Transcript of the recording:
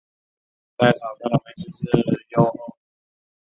在场上的位置是右后卫。